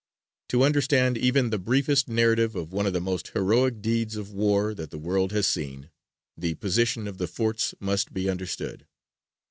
To understand even the briefest narrative of one of the most heroic deeds of war that the world has seen, the position of the forts must be understood.